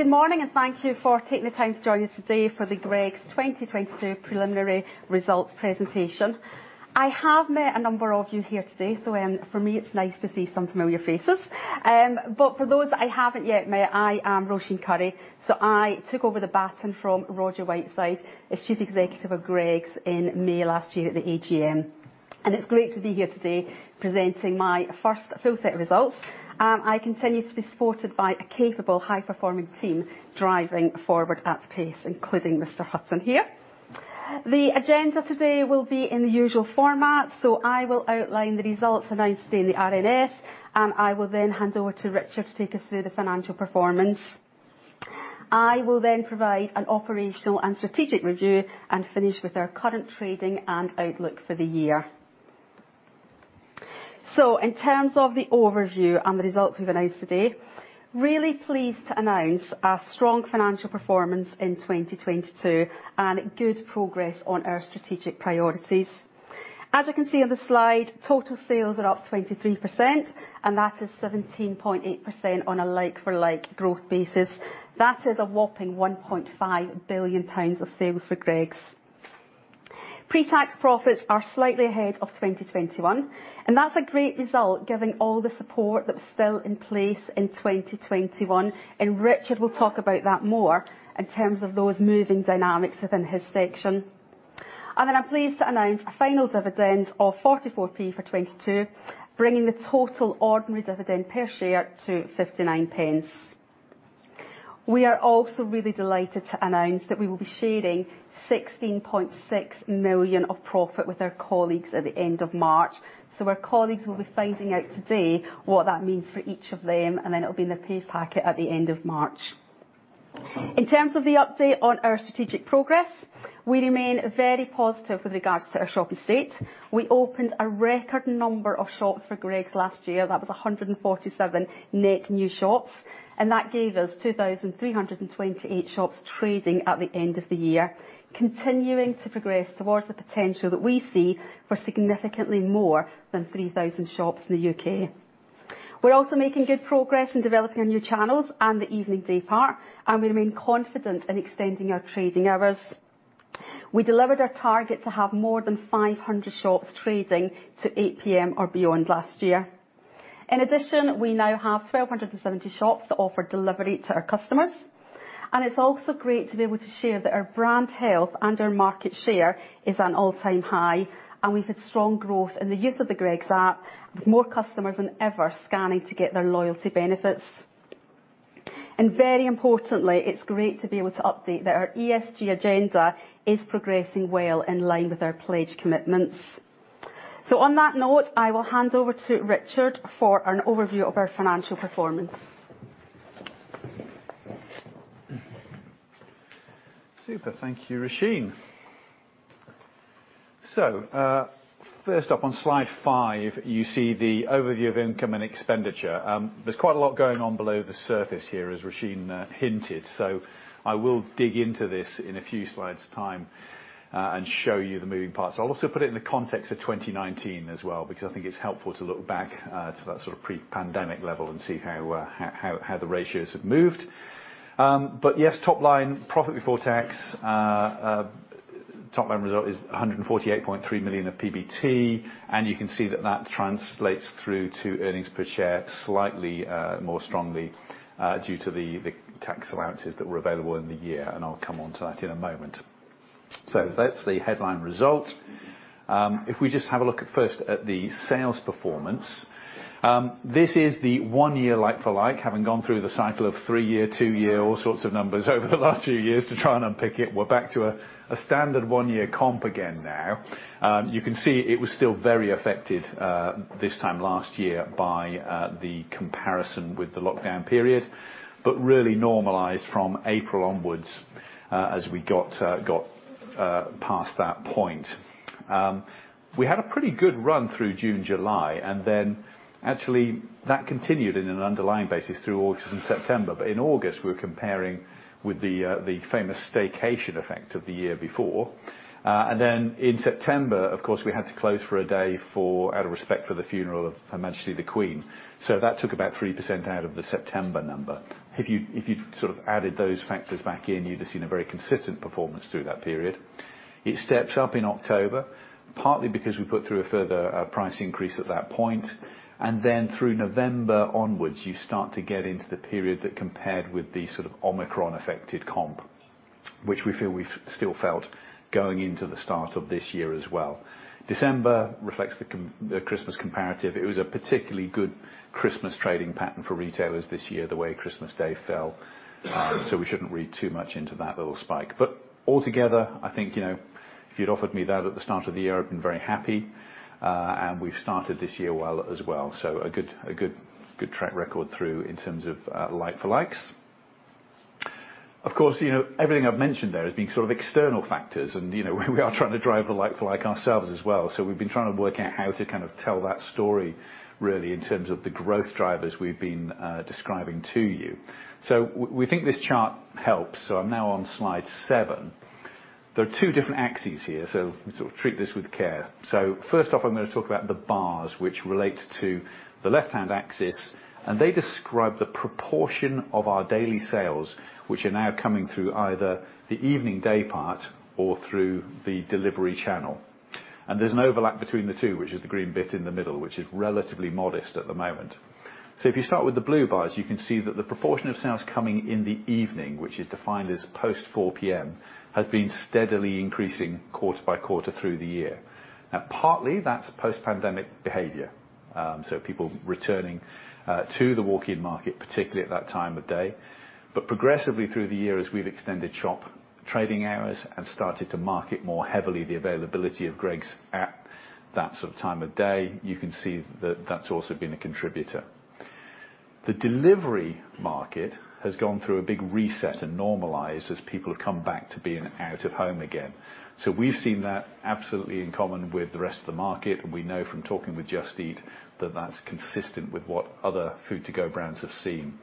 Good morning, and thank you for taking the time to join us today for the Greggs 2022 preliminary results presentation. I have met a number of you here today, for me, it's nice to see some familiar faces. For those I haven't yet met, I am Roisin Currie. I took over the baton from Roger Whiteside as Chief Executive of Greggs in May last year at the AGM, and it's great to be here today presenting my first full set of results. I continue to be supported by a capable, high-performing team driving forward at pace, including Mr. Hudson here. The agenda today will be in the usual format. I will outline the results announced in the RNS, and I will then hand over to Richard to take us through the financial performance. I will then provide an operational and strategic review and finish with our current trading and outlook for the year. In terms of the overview and the results we've announced today, really pleased to announce a strong financial performance in 2022, and good progress on our strategic priorities. As you can see on the slide, total sales are up 23%, and that is 17.8% on a like-for-like growth basis. That is a whopping 1.5 billion pounds of sales for Greggs. Pre-tax profits are slightly ahead of 2021, and that's a great result given all the support that was still in place in 2021, and Richard will talk about that more in terms of those moving dynamics within his section. I'm pleased to announce a final dividend of 0.44 for 2022, bringing the total ordinary dividend per share to 0.59. We are also really delighted to announce that we will be sharing 16.6 million of profit with our colleagues at the end of March. Our colleagues will be finding out today what that means for each of them, and then it will be in their pay packet at the end of March. In terms of the update on our strategic progress, we remain very positive with regards to our shop estate. We opened a record number of shops for Greggs last year. That was 147 net new shops. That gave us 2,328 shops trading at the end of the year, continuing to progress towards the potential that we see for significantly more than 3,000 shops in the U.K. We're also making good progress in developing our new channels and the evening day part. We remain confident in extending our trading hours. We delivered our target to have more than 500 shops trading to 8 P.M. or beyond last year. In addition, we now have 1,270 shops that offer delivery to our customers. It's also great to be able to share that our brand health and our market share is at an all-time high. We've had strong growth in the use of the Greggs App, with more customers than ever scanning to get their loyalty benefits. Very importantly, it's great to be able to update that our ESG agenda is progressing well in line with our pledge commitments. On that note, I will hand over to Richard for an overview of our financial performance. Super. Thank you, Roisin. First up on slide five, you see the overview of income and expenditure. There's quite a lot going on below the surface here, as Roisin hinted. I will dig into this in a few slides' time and show you the moving parts. I'll also put it in the context of 2019 as well, because I think it's helpful to look back to that sort of pre-pandemic level and see how the ratios have moved. Yes, top line profit before tax, top line result is 148.3 million of PBT, and you can see that that translates through to earnings per share slightly more strongly due to the tax allowances that were available in the year, and I'll come onto that in a moment. That's the headline result. If we just have a look at first at the sales performance, this is the one-year like-for-like. Having gone through the cycle of three-year, two-year, all sorts of numbers over the last few years to try and unpick it, we're back to a standard one-year comp again now. You can see it was still very affected this time last year by the comparison with the lockdown period but really normalized from April onwards as we got past that point. We had a pretty good run through June, July, and then actually that continued in an underlying basis through August and September. In August, we're comparing with the famous staycation effect of the year before. In September, of course, we had to close for a day for... out of respect for the funeral of Her Majesty The Queen. That took about 3% out of the September number. If you sort of added those factors back in, you'd have seen a very consistent performance through that period. It steps up in October, partly because we put through a further price increase at that point. Through November onwards, you start to get into the period that compared with the sort of Omicron affected comp, which we feel we've still felt going into the start of this year as well. December reflects the Christmas comparative. It was a particularly good Christmas trading pattern for retailers this year, the way Christmas Day fell, we shouldn't read too much into that little spike. Altogether, I think, you know, if you'd offered me that at the start of the year, I'd been very happy. We've started this year well as well. A good track record through in terms of like-for-likes. Everything I've mentioned there has been sort of external factors and, you know, we are trying to drive the like-for-like ourselves as well. We've been trying to work out how to kind of tell that story really in terms of the growth drivers we've been describing to you. We think this chart helps, so I'm now on slide seven. There are two different axes here, so sort of treat this with care. First off, I'm going to talk about the bars which relate to the left-hand axis, and they describe the proportion of our daily sales, which are now coming through either the evening day part or through the delivery channel. There's an overlap between the two, which is the green bit in the middle, which is relatively modest at the moment. If you start with the blue bars, you can see that the proportion of sales coming in the evening, which is defined as post-4 P.M., has been steadily increasing quarter by quarter through the year. Now, partly, that's post-pandemic behavior, so people returning to the walk-in market, particularly at that time of day. Progressively through the year, as we've extended shop trading hours and started to market more heavily the availability of Greggs at that sort of time of day, you can see that that's also been a contributor. We've seen that absolutely in common with the rest of the market, and we know from talking with Just Eat that that's consistent with what other food to-go brands have seen.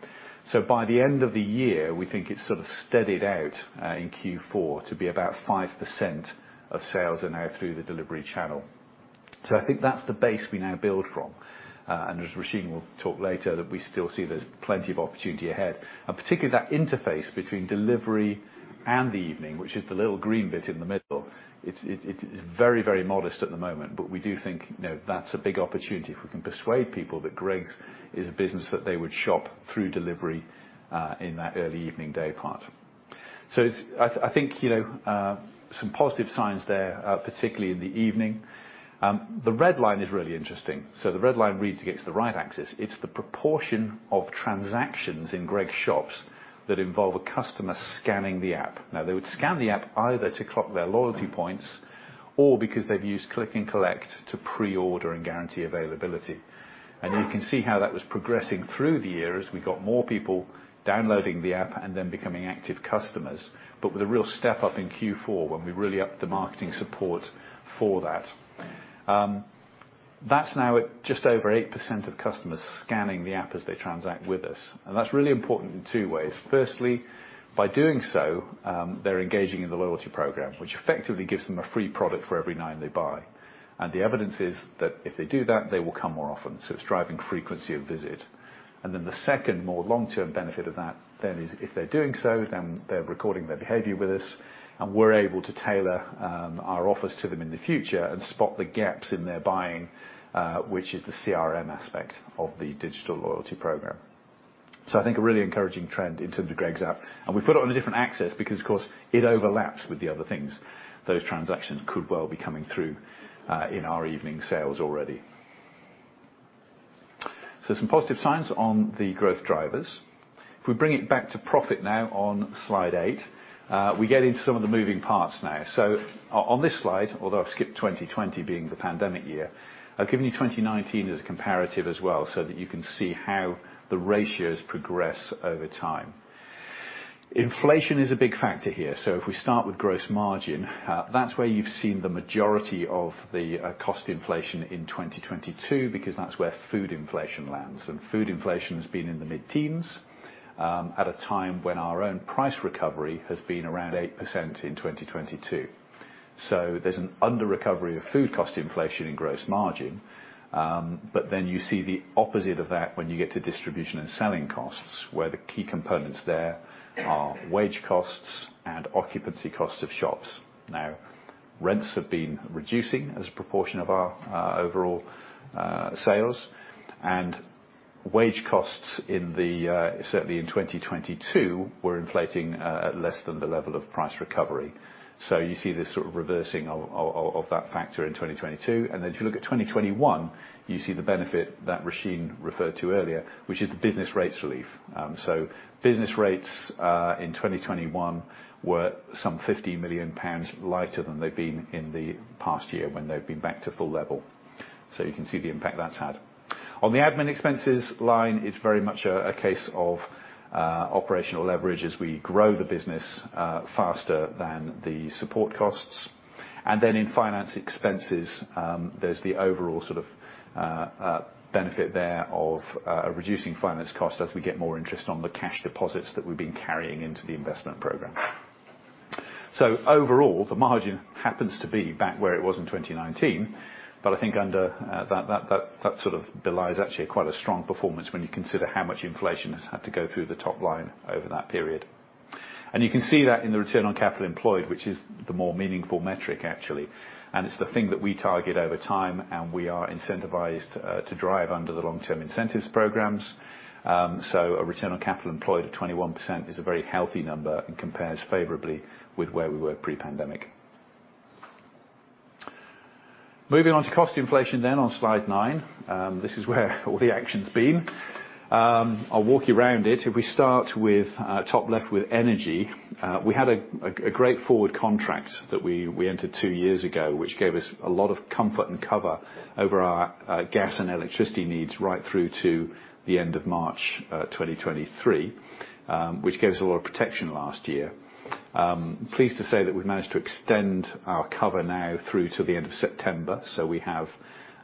By the end of the year, we think it's sort of steadied out in Q4 to be about 5% of sales are now through the delivery channel. I think that's the base we now build from, and as Roisin will talk later, that we still see there's plenty of opportunity ahead. Particularly that interface between delivery and the evening, which is the little green bit in the middle, it's very, very modest at the moment, but we do think, you know, that's a big opportunity if we can persuade people that Greggs is a business that they would shop through delivery in that early evening day part. I think, you know, some positive signs there, particularly in the evening. The red line is really interesting. The red line reads against the right axis. It's the proportion of transactions in Greggs shops that involve a customer scanning the app. They would scan the app either to clock their loyalty points or because they've used click and collect to pre-order and guarantee availability. You can see how that was progressing through the year as we got more people downloading the app and then becoming active customers. With a real step-up in Q4 when we really upped the marketing support for that. That's now at just over 8% of customers scanning the app as they transact with us, and that's really important in two ways. Firstly, by doing so, they're engaging in the loyalty program, which effectively gives them a free product for every nine they buy. The evidence is that if they do that, they will come more often. It's driving frequency of visit. The second, more long-term benefit of that then is if they're doing so, then they're recording their behavior with us, and we're able to tailor our offers to them in the future and spot the gaps in their buying, which is the CRM aspect of the digital loyalty program. I think a really encouraging trend in terms of Greggs App, and we put it on a different axis because, of course, it overlaps with the other things. Those transactions could well be coming through in our evening sales already. Some positive signs on the growth drivers. We bring it back to profit now on slide eight, we get into some of the moving parts now. On this slide, although I've skipped 2020, being the pandemic year, I've given you 2019 as a comparative as well, so that you can see how the ratios progress over time. Inflation is a big factor here. If we start with gross margin, that's where you've seen the majority of the cost inflation in 2022, because that's where food inflation lands. Food inflation has been in the mid-teens, at a time when our own price recovery has been around 8% in 2022. There's an under recovery of food cost inflation in gross margin, but then you see the opposite of that when you get to distribution and selling costs, where the key components there are wage costs and occupancy costs of shops. Rents have been reducing as a proportion of our overall sales, and wage costs in the certainly in 2022 were inflating at less than the level of price recovery. You see this sort of reversing of that factor in 2022. If you look at 2021, you see the benefit that Roisin referred to earlier, which is the business rates relief. Business rates in 2021 were some 50 million pounds lighter than they've been in the past year when they've been back to full level. You can see the impact that's had. On the admin expenses line, it's very much a case of operational leverage as we grow the business faster than the support costs. In finance expenses, there's the overall sort of benefit there of reducing finance cost as we get more interest on the cash deposits that we've been carrying into the investment program. Overall, the margin happens to be back where it was in 2019, but I think under that sort of belies actually quite a strong performance when you consider how much inflation has had to go through the top line over that period. You can see that in the Return on Capital Employed, which is the more meaningful metric actually, and it's the thing that we target over time, and we are incentivized to drive under the long-term incentives programs. A Return on Capital Employed at 21% is a very healthy number and compares favorably with where we were pre-pandemic. Moving on to cost inflation on slide nine, this is where all the actions been. I'll walk you around it. If we start with top left with energy, we had a great forward contract that we entered two years ago, which gave us a lot of comfort and cover over our gas and electricity needs right through to the end of March 2023, which gave us a lot of protection last year. Pleased to say that we've managed to extend our cover now through to the end of September. We have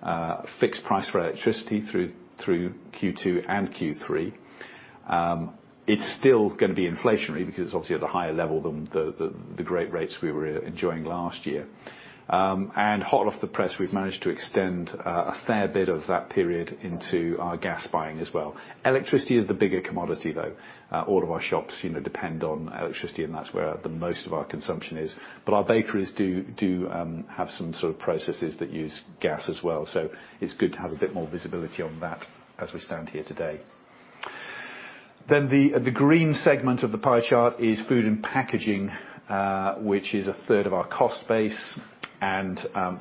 a fixed price for electricity through Q2 and Q3. It's still going to be inflationary because it's obviously at a higher level than the great rates we were enjoying last year. Hot off the press, we've managed to extend a fair bit of that period into our gas buying as well. Electricity is the bigger commodity, though. All of our shops, you know, depend on electricity, and that's where the most of our consumption is. But our bakeries do have some sort of processes that use gas as well, so it's good to have a bit more visibility on that as we stand here today. The green segment of the pie chart is food and packaging, which is a third of our cost base.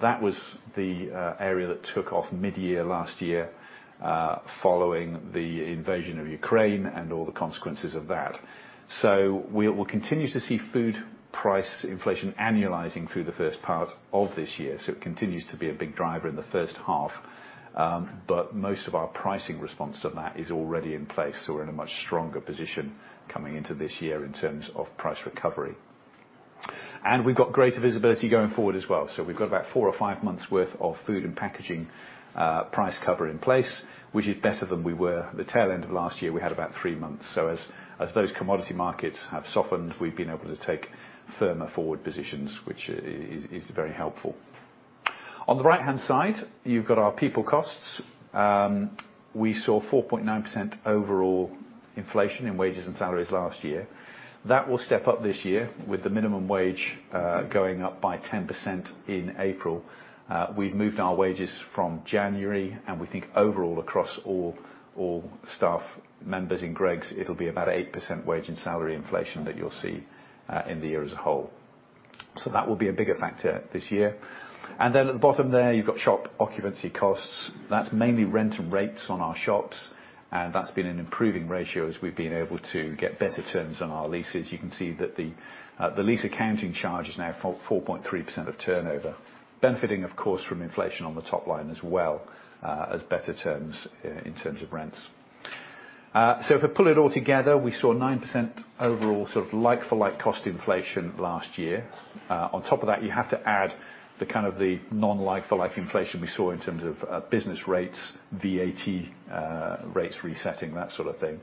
That was the area that took off midyear last year, following the invasion of Ukraine and all the consequences of that. We'll continue to see food price inflation annualizing through the first part of this year, it continues to be a big driver in the first half. But most of our pricing response to that is already in place, we're in a much stronger position coming into this year in terms of price recovery. We've got greater visibility going forward as well, we've got about four or five months worth of food and packaging price cover in place, which is better than we were. The tail end of last year, we had about three months. As those commodity markets have softened, we've been able to take firmer forward positions, which is very helpful. On the right-hand side, you've got our people costs. We saw 4.9% overall inflation in wages and salaries last year. That will step up this year with the minimum wage, going up by 10% in April. We've moved our wages from January, and we think overall, across all staff members in Greggs, it'll be about 8% wage and salary inflation that you'll see in the year as a whole. That will be a bigger factor this year. At the bottom there, you've got shop occupancy costs. That's mainly rent and rates on our shops, and that's been an improving ratio as we've been able to get better terms on our leases. You can see that the lease accounting charge is now for 4.3% of turnover, benefiting, of course, from inflation on the top line as well, as better terms in terms of rents. If we pull it all together, we saw 9% overall sort of like-for-like cost inflation last year. On top of that, you have to add the kind of the non-like-for-like inflation we saw in terms of business rates, VAT, rates resetting, that sort of thing.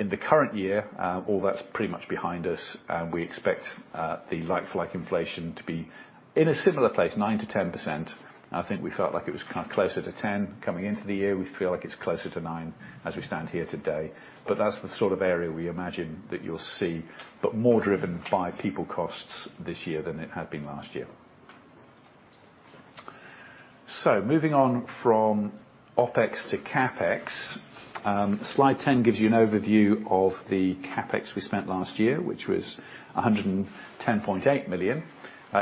In the current year, all that's pretty much behind us and we expect the like-for-like inflation to be in a similar place, 9%-10%. I think we felt like it was kind of closer to 10 coming into the year. We feel like it's closer to nine as we stand here today, but that's the sort of area we imagine that you'll see, but more driven by people costs this year than it had been last year. Moving on from OpEx to CapEx. Slide 10 gives you an overview of the CapEx we spent last year, which was 110.8 million.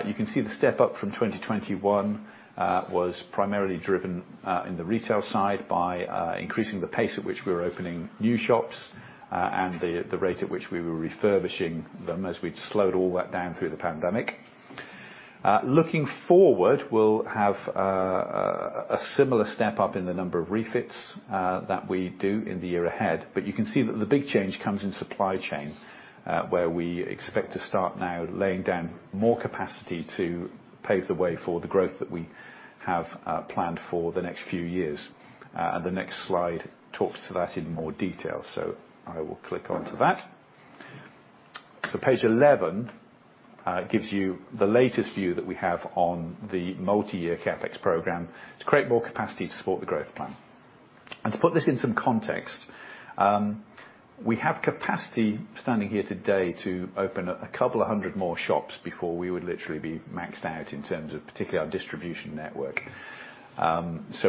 You can see the step up from 2021 was primarily driven in the retail side by increasing the pace at which we were opening new shops, and the rate at which we were refurbishing them as we'd slowed all that down through the pandemic. Looking forward, we'll have a similar step up in the number of refits that we do in the year ahead. You can see that the big change comes in supply chain, where we expect to start now laying down more capacity to pave the way for the growth that we have planned for the next few years. The next slide talks to that in more detail, I will click onto that. Page 11 gives you the latest view that we have on the multi-year CapEx program to create more capacity to support the growth plan. To put this in some context, we have capacity standing here today to open a couple of 100 more shops before we would literally be maxed out in terms of particularly our distribution network.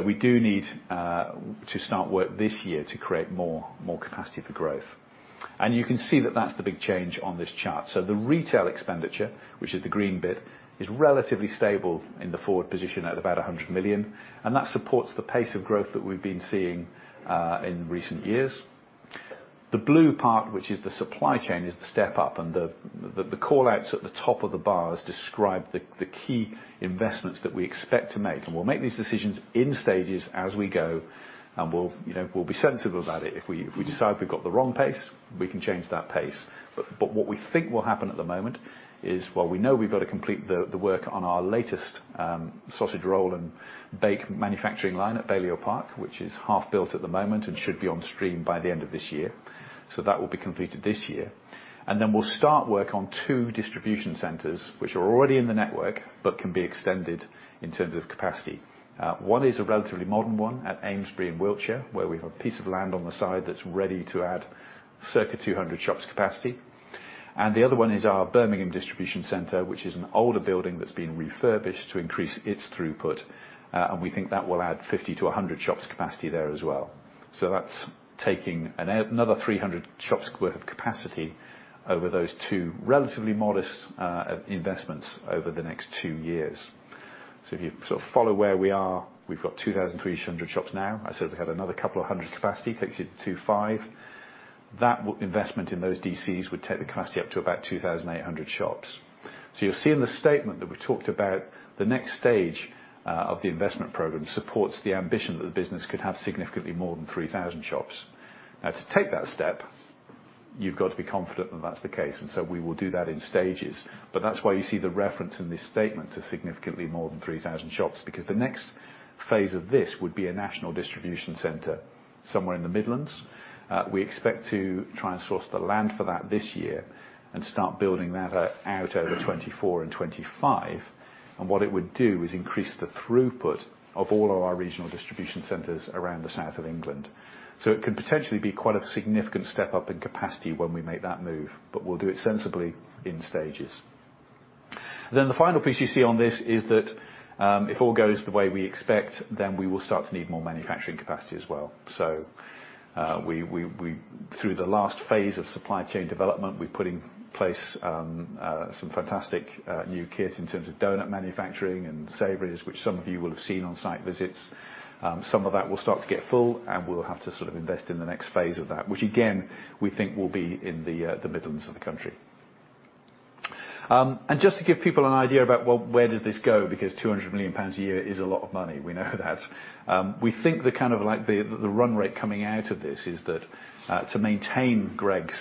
We do need to start work this year to create more capacity for growth. You can see that that's the big change on this chart. The retail expenditure, which is the green bit, is relatively stable in the forward position at about 100 million, that supports the pace of growth that we've been seeing in recent years. The blue part, which is the supply chain, is the step up, and the call-outs at the top of the bars describe the key investments that we expect to make. We'll make these decisions in stages as we go, and we'll, you know, we'll be sensible about it. If we decide we've got the wrong pace, we can change that pace. What we think will happen at the moment is, well, we know we've got to complete the work on our latest sausage roll and bake manufacturing line at Balliol Park, which is half built at the moment and should be on stream by the end of this year. That will be completed this year. Then we'll start work on two distribution centers, which are already in the network, but can be extended in terms of capacity. One is a relatively modern one at Amesbury in Wiltshire, where we have a piece of land on the side that's ready to add circa 200 shops capacity. The other one is our Birmingham distribution center, which is an older building that's been refurbished to increase its throughput, and we think that will add 50 to 100 shops capacity there as well. That's taking another 300 shops worth of capacity over those two relatively modest investments over the next two years. If you sort of follow where we are, we've got 2,300 shops now. I said we have another couple of 100 capacity, takes you to 2,500. That investment in those DCs would take the capacity up to about 2,800 shops. You'll see in the statement that we talked about the next stage of the investment program supports the ambition that the business could have significantly more than 3,000 shops. To take that step. You've got to be confident that that's the case, we will do that in stages. That's why you see the reference in this statement to significantly more than 3,000 shops, because the next phase of this would be a national distribution center somewhere in the Midlands. We expect to try and source the land for that this year and start building that out over 2024 and 2025. What it would do is increase the throughput of all of our regional distribution centers around the south of England. It could potentially be quite a significant step up in capacity when we make that move, but we'll do it sensibly in stages. The final piece you see on this is that if all goes the way we expect, then we will start to need more manufacturing capacity as well. We through the last phase of supply chain development, we've put in place some fantastic new kit in terms of donut manufacturing and savories, which some of you will have seen on site visits. Some of that will start to get full, and we'll have to sort of invest in the next phase of that, which again, we think will be in the Midlands of the country. Just to give people an idea about, well, where does this go, because 200 million pounds a year is a lot of money, we know that. We think the kind of like, the run rate coming out of this is that to maintain Gregg's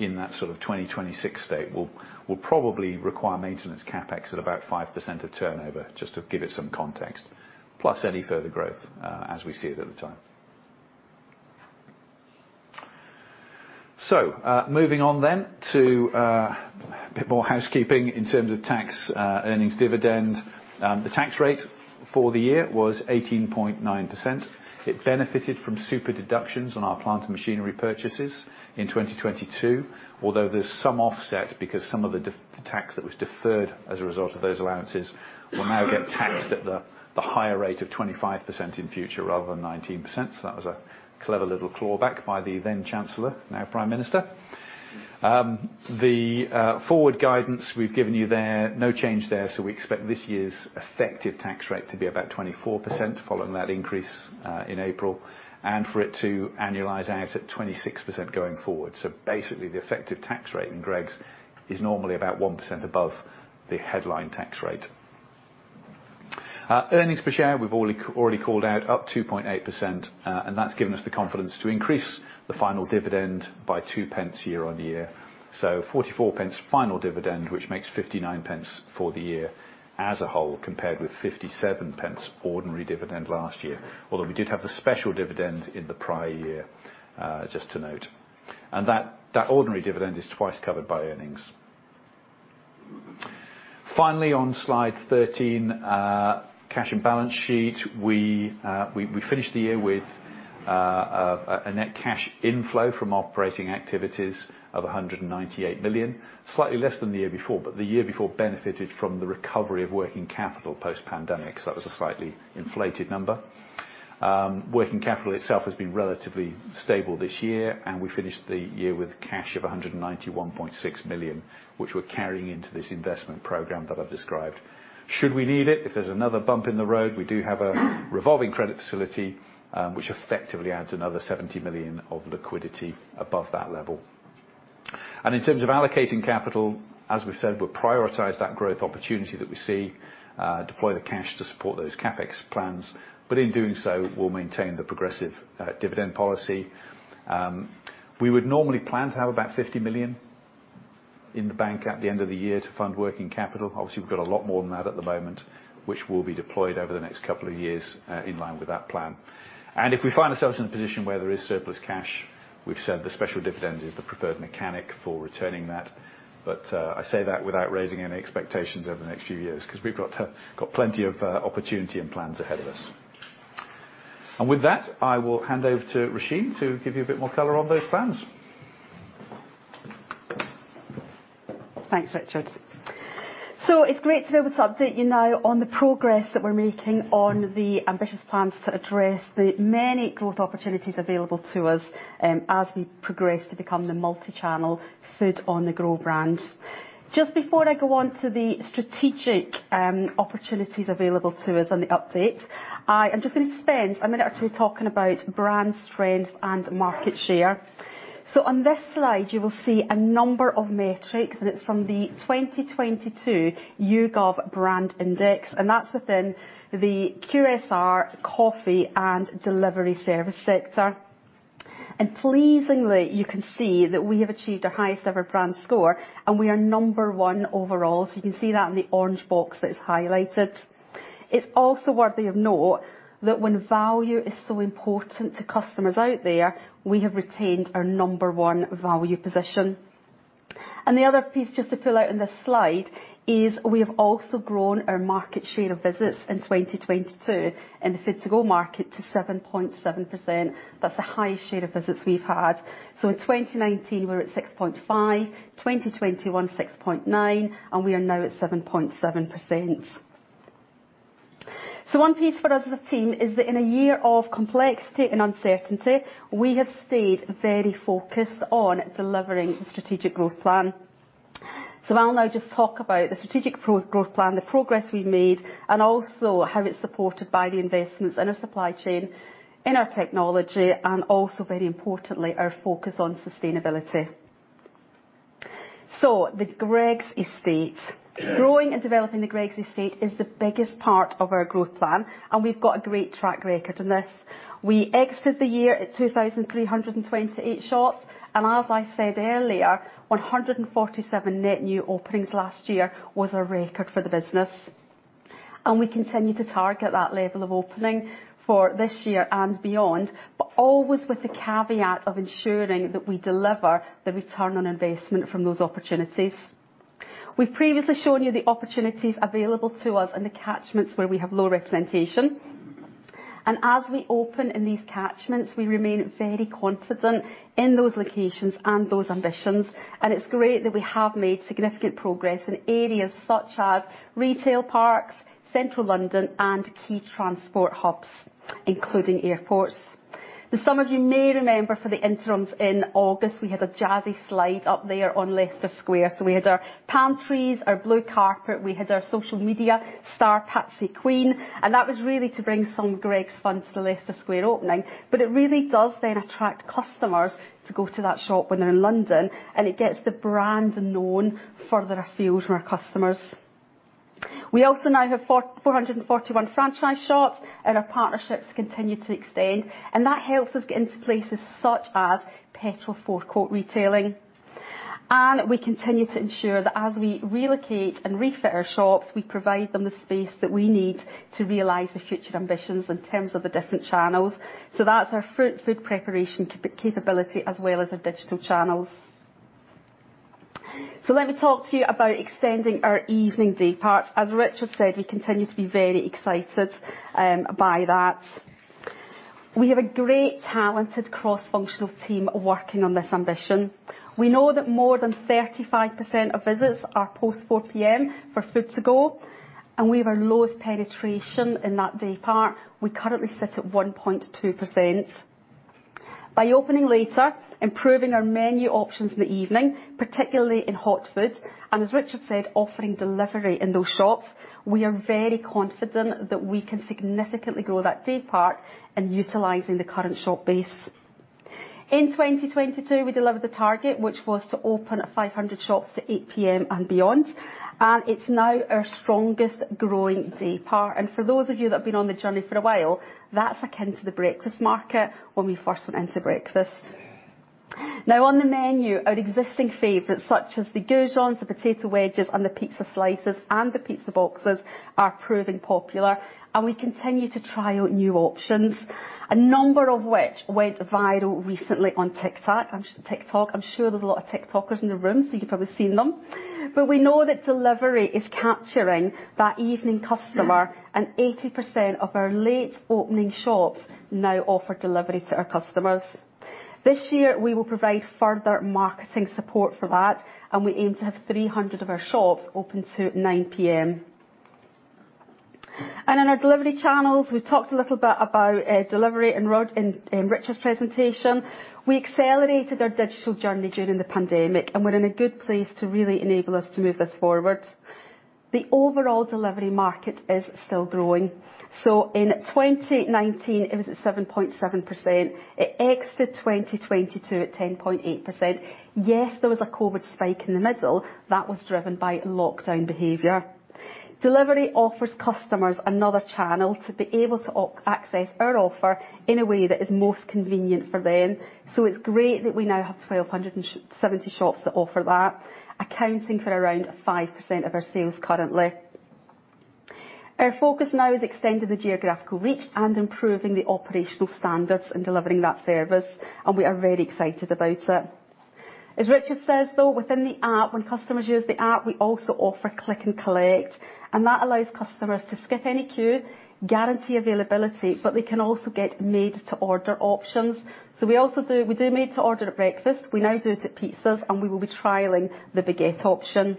in that sort of 2026 state will probably require maintenance CapEx at about 5% of turnover, just to give it some context, plus any further growth as we see it at the time. Moving on then to a bit more housekeeping in terms of tax, earnings dividend. The tax rate for the year was 18.9%. It benefited from super-deduction on our plant and machinery purchases in 2022, although there's some offset because some of the tax that was deferred as a result of those allowances will now get taxed at the higher rate of 25% in future rather than 19%. That was a clever little claw back by the then chancellor, now prime minister. The forward guidance we've given you there, no change there. We expect this year's effective tax rate to be about 24% following that increase in April, and for it to annualize out at 26% going forward. Basically, the effective tax rate in Greggs is normally about 1% above the headline tax rate. Earnings per share, we've already called out, up 2.8%, and that's given us the confidence to increase the final dividend by two pence year-on-year. Forty-four pence final dividend, which makes 59 pence for the year as a whole, compared with 57 pence ordinary dividend last year, although we did have the special dividend in the prior year, just to note. That ordinary dividend is twice covered by earnings. Finally, on slide 13, cash and balance sheet. We finished the year with a net cash inflow from operating activities of 198 million, slightly less than the year before, but the year before benefited from the recovery of working capital post-pandemic. That was a slightly inflated number. Working capital itself has been relatively stable this year, and we finished the year with cash of 191.6 million, which we're carrying into this investment program that I've described. Should we need it, if there's another bump in the road, we do have a revolving credit facility, which effectively adds another 70 million of liquidity above that level. In terms of allocating capital, as we've said, we'll prioritize that growth opportunity that we see, deploy the cash to support those CapEx plans. In doing so, we'll maintain the progressive dividend policy. We would normally plan to have about 50 million in the bank at the end of the year to fund working capital. Obviously, we've got a lot more than that at the moment, which will be deployed over the next couple of years in line with that plan. If we find ourselves in a position where there is surplus cash, we've said the special dividend is the preferred mechanic for returning that. I say that without raising any expectations over the next few years because we've got plenty of opportunity and plans ahead of us. With that, I will hand over to Roisin Currie to give you a bit more color on those plans. Thanks, Richard. It's great to be able to update you now on the progress that we're making on the ambitious plans to address the many growth opportunities available to us, as we progress to become the multi-channel food on-the-go brand. Before I go on to the strategic, opportunities available to us on the update, I am just going to spend a minute or two talking about brand strength and market share. On this slide, you will see a number of metrics, and it's from the 2022 YouGov BrandIndex, and that's within the QSR Coffee and Delivery Service sector. Pleasingly, you can see that we have achieved our highest ever brand score, and we are number 1 overall. You can see that in the orange box that is highlighted. It's also worthy of note that when value is so important to customers out there, we have retained our number one value position. The other piece just to fill out in this slide is we have also grown our market share of visits in 2022 in the food to go market to 7.7%. That's the highest share of visits we've had. In 2019, we're at 6.5%, 2021, 6.9%, and we are now at 7.7%. One piece for us as a team is that in a year of complexity and uncertainty, we have stayed very focused on delivering the strategic growth plan. I'll now just talk about the strategic growth plan, the progress we've made, and also how it's supported by the investments in our supply chain, in our technology, and also, very importantly, our focus on sustainability. The Greggs' estate. Yes. Growing and developing the Greggs' estate is the biggest part of our growth plan. We've got a great track record in this. We exited the year at 2,328 shops. As I said earlier, 147 net new openings last year was a record for the business. We continue to target that level of opening for this year and beyond, but always with the caveat of ensuring that we deliver the return on investment from those opportunities. We've previously shown you the opportunities available to us in the catchments where we have low representation. As we open in these catchments, we remain very confident in those locations and those ambitions. It's great that we have made significant progress in areas such as retail parks, Central London, and key transport hubs, including airports. Some of you may remember for the interims in August, we had a jazzy slide up there on Leicester Square. We had our pantries, our blue carpet. We had our social media star, Pasty Kween, and that was really to bring some Greggs fun to the Leicester Square opening. It really does then attract customers to go to that shop when they're in London, and it gets the brand known further afield from our customers. We also now have 441 franchise shops, and our partnerships continue to extend, and that helps us get into places such as petrol forecourt retailing. We continue to ensure that as we relocate and refit our shops, we provide them the space that we need to realize the future ambitions in terms of the different channels. That's our food preparation capability as well as our digital channels. Let me talk to you about extending our evening day part. As Richard said, we continue to be very excited by that. We have a great talented cross-functional team working on this ambition. We know that more than 35% of visits are post 4 P.M. for food to go, and we have our lowest penetration in that day part. We currently sit at 1.2%. By opening later, improving our menu options in the evening, particularly in hot food, and as Richard said, offering delivery in those shops, we are very confident that we can significantly grow that day part in utilizing the current shop base. In 2022, we delivered the target, which was to open 500 shops to 8:00 P.M. and beyond, and it's now our strongest growing day part. For those of you that have been on the journey for a while, that's akin to the breakfast market when we first went into breakfast. Now, on the menu, our existing favorites such as the goujons, the potato wedges, and the pizza slices and the pizza boxes are proving popular, and we continue to try out new options. A number of which went viral recently on TikTok. I'm sure there's a lot of TikTokers in the room, so you've probably seen them. We know that delivery is capturing that evening customer, and 80% of our late opening shops now offer delivery to our customers. This year, we will provide further marketing support for that, we aim to have 300 of our shops open to 9:00 P.M. In our delivery channels, we talked a little bit about delivery in Roisin, in Richard's presentation. We accelerated our digital journey during the pandemic, and we're in a good place to really enable us to move this forward. The overall delivery market is still growing. In 2019, it was at 7.7%. It exited 2022 at 10.8%. Yes, there was a COVID spike in the middle. That was driven by lockdown behavior. Delivery offers customers another channel to be able to access our offer in a way that is most convenient for them. It's great that we now have 1,270 shops that offer that, accounting for around 5% of our sales currently. Our focus now is extending the geographical reach and improving the operational standards in delivering that service, and we are very excited about it. As Richard says, though, within the app, when customers use the app, we also offer click and collect, and that allows customers to skip any queue, guarantee availability, but they can also get made to order options. We also do made to order at breakfast. We now do it at pizzas, and we will be trialing the baguette option.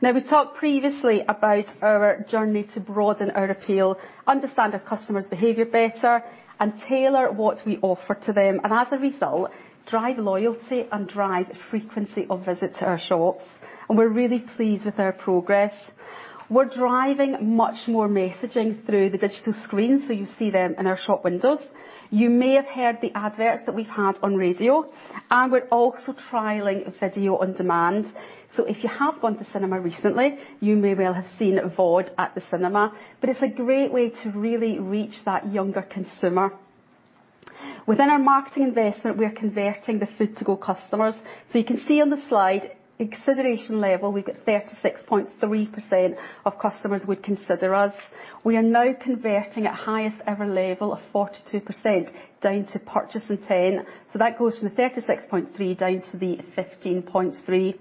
We talked previously about our journey to broaden our appeal, understand our customers' behavior better, and tailor what we offer to them, and as a result, drive loyalty and drive frequency of visit to our shops. We're really pleased with our progress. We're driving much more messaging through the digital screens, so you see them in our shop windows. You may have heard the adverts that we've had on radio. We're also trialing video on demand. If you have gone to cinema recently, you may well have seen VOD at the cinema, but it's a great way to really reach that younger consumer. Within our marketing investment, we are converting the food to go customers. You can see on the slide, consideration level, we get 36.3% of customers would consider us. We are now converting at highest ever level of 42% down to purchase intent. That goes from the 36.3% down to the 15.3%.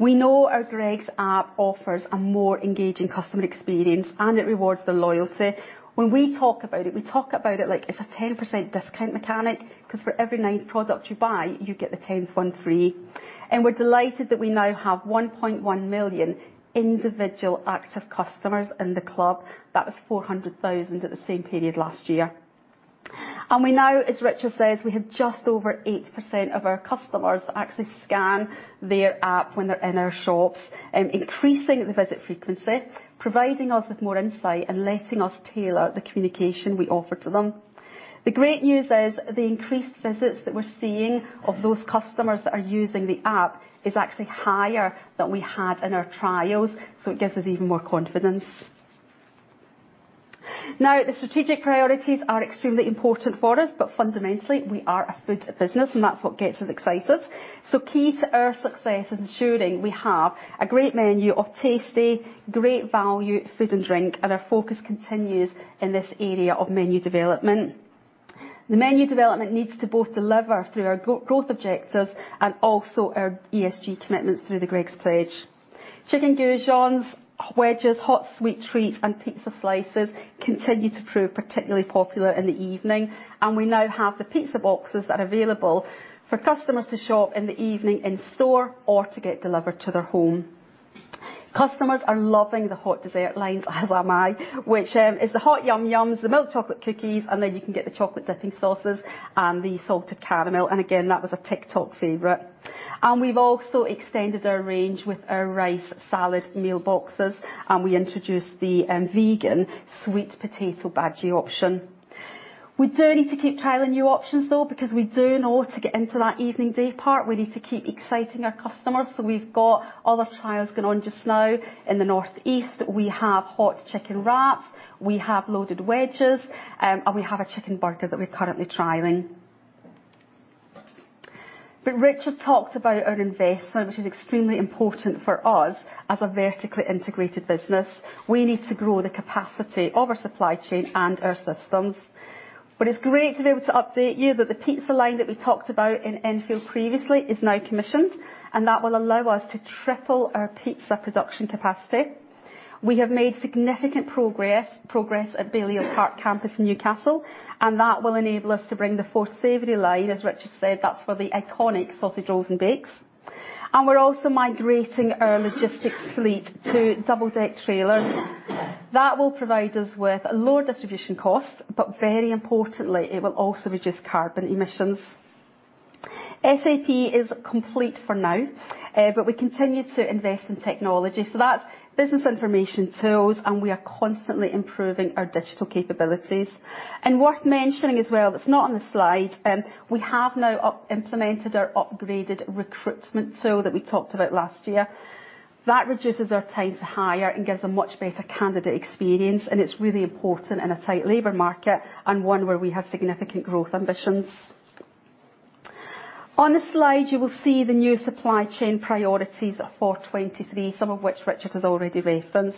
We know our Greggs App offers a more engaging customer experience, and it rewards their loyalty. When we talk about it, we talk about it like it's a 10% discount mechanic, 'cause for every ninth product you buy, you get the tenth one free. We're delighted that we now have 1.1 million individual active customers in the club. That was 400,000 at the same period last year. We now, as Richard says, we have just over 8% of our customers that actually scan their app when they're in our shops, increasing the visit frequency, providing us with more insight, and letting us tailor the communication we offer to them. The great news is the increased visits that we're seeing of those customers that are using the app is actually higher than we had in our trials, so it gives us even more confidence. The strategic priorities are extremely important for us, but fundamentally we are a food business, and that's what gets us excited. Key to our success is ensuring we have a great menu of tasty, great value food and drink, and our focus continues in this area of menu development. The menu development needs to both deliver through our go-growth objectives and also our ESG commitments through the Greggs Pledge. Chicken goujons, wedges, hot sweet treats, and pizza slices continue to prove particularly popular in the evening, and we now have the pizza boxes that are available for customers to shop in the evening in store or to get delivered to their home. Customers are loving the hot dessert lines, as am I, which is the Hot Yum Yums, the milk chocolate cookies, and then you can get the chocolate dipping sauces and the salted caramel. Again, that was a TikTok favorite. We've also extended our range with our rice salad meal boxes, and we introduced the vegan sweet potato bhaji option. We do need to keep trialing new options though, because we do know to get into that evening day part, we need to keep exciting our customers. We've got other trials going on just now. In the northeast, we have hot chicken wraps, we have loaded wedges, and we have a chicken burger that we're currently trialing. Richard talked about our investment, which is extremely important for us as a vertically integrated business. We need to grow the capacity of our supply chain and our systems. It's great to be able to update you that the pizza line that we talked about in Enfield previously is now commissioned, and that will allow us to triple our pizza production capacity. We have made significant progress at Balliol Park Campus in Newcastle, and that will enable us to bring the fourth savory line. As Richard said, that's for the iconic sausage rolls and bakes. We're also migrating our logistics fleet to double-deck trailers. That will provide us with lower distribution costs, but very importantly, it will also reduce carbon emissions. SAP is complete for now, but we continue to invest in technology. That's business information tools, and we are constantly improving our digital capabilities. Worth mentioning as well, that's not on the slide, we have now implemented our upgraded recruitment tool that we talked about last year. That reduces our time to hire and gives a much better candidate experience, and it's really important in a tight labor market and one where we have significant growth ambitions. On the slide, you will see the new supply chain priorities for 2023, some of which Richard has already referenced.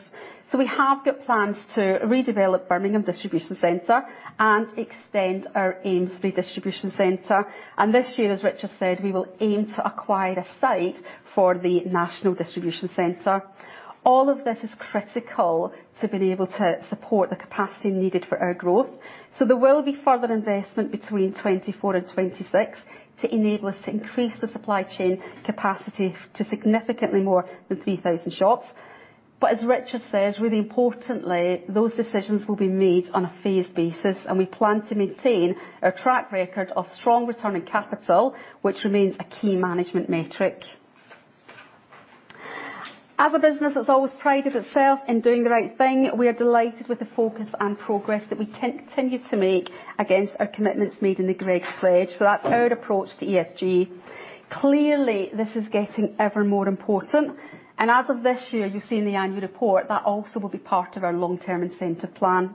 We have got plans to redevelop Birmingham distribution center and extend our Amesbury distribution center. This year, as Richard said, we will aim to acquire a site for the national distribution center. All of this is critical to being able to support the capacity needed for our growth. There will be further investment between 2024 and 2026 to enable us to increase the supply chain capacity to significantly more than 3,000 shops. As Richard says, really importantly, those decisions will be made on a phased basis, and we plan to maintain our track record of strong return on capital, which remains a key management metric. As a business that's always prided itself in doing the right thing, we are delighted with the focus and progress that we continue to make against our commitments made in The Greggs Pledge. That's our approach to ESG. Clearly, this is getting ever more important, and as of this year, you've seen the annual report, that also will be part of our long-term incentive plan.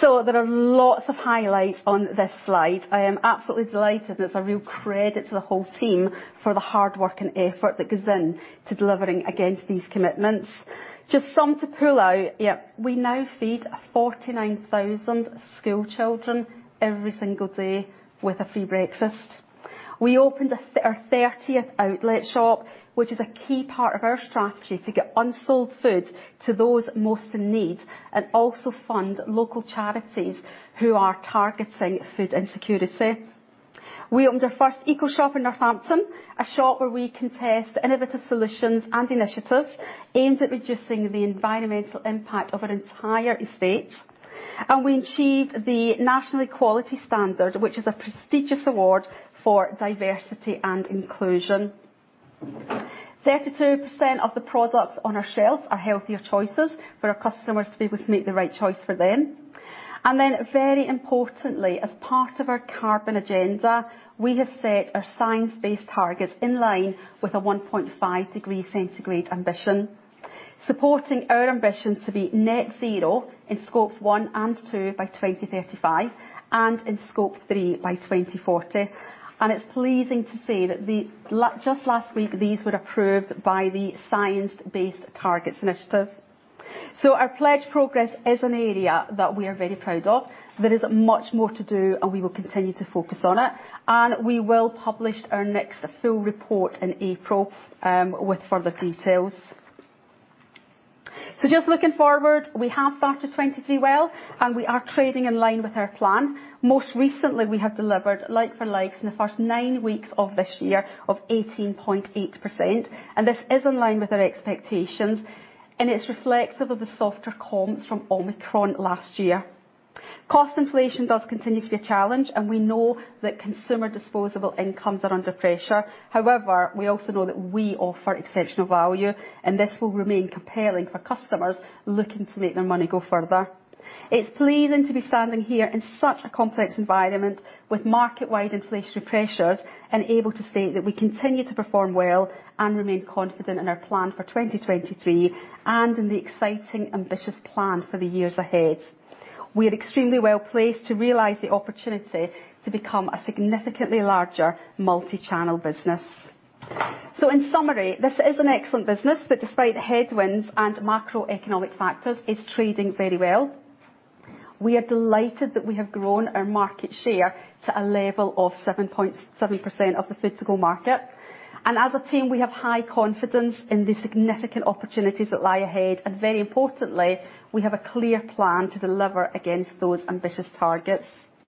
There are lots of highlights on this slide. I am absolutely delighted, and it's a real credit to the whole team for the hard work and effort that goes into delivering against these commitments. Just some to pull out, yeah, we now feed 49,000 school children every single day with a free breakfast. We opened our 30th outlet shop, which is a key part of our strategy to get unsold food to those most in need and also fund local charities who are targeting food insecurity. We opened our first eco shop in Northampton, a shop where we can test innovative solutions and initiatives aimed at reducing the environmental impact of our entire estate. We achieved the National Equality Standard, which is a prestigious award for diversity and inclusion. 32% of the products on our shelves are healthier choices for our customers to be able to make the right choice for them. Very importantly, as part of our carbon agenda, we have set our science-based targets in line with a 1.5 degrees Celsius ambition, supporting our ambition to be net zero in scopes one and two by 2035 and in Scope three by 2040. It's pleasing to see that just last week; these were approved by the Science Based Targets initiative. Our pledge progress is an area that we are very proud of. There is much more to do, and we will continue to focus on it, and we will publish our next full report in April with further details. Just looking forward, we have started 2023 well, and we are trading in line with our plan. Most recently, we have delivered like-for-like in the first nine weeks of this year of 18.8%. This is in line with our expectations. It's reflective of the softer comps from Omicron last year. Cost inflation does continue to be a challenge. We know that consumer disposable incomes are under pressure. However, we also know that we offer exceptional value. This will remain compelling for customers looking to make their money go further. It's pleasing to be standing here in such a complex environment with market-wide inflationary pressures. Able to state that we continue to perform well. Remain confident in our plan for 2023. In the exciting, ambitious plan for the years ahead, we are extremely well placed to realize the opportunity to become a significantly larger multi-channel business. In summary, this is an excellent business, but despite headwinds and macroeconomic factors, it's trading very well. We are delighted that we have grown our market share to a level of 7.7% of the food to go market. As a team, we have high confidence in the significant opportunities that lie ahead, and very importantly, we have a clear plan to deliver against those ambitious targets.